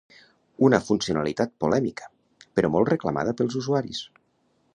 Una funcionalitat polèmica, però molt reclamada pels usuaris.